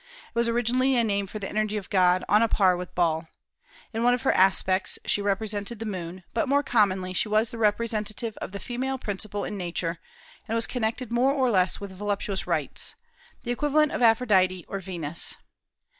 It was originally a name for the energy of God, on a par with Baal. In one of her aspects she represented the moon; but more commonly she was the representative of the female principle in Nature, and was connected more or less with voluptuous rites, the equivalent of Aphrodite, or Venus.